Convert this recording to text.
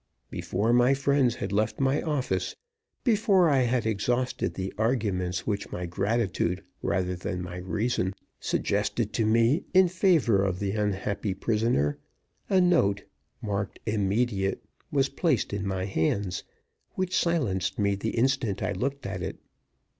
Before my friends had left my office before I had exhausted the arguments which my gratitude rather than my reason suggested to me in favor of the unhappy prisoner a note, marked immediate, was placed in my hands, which silenced me the instant I looked at it.